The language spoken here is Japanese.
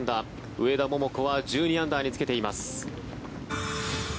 上田桃子は１２アンダーにつけています。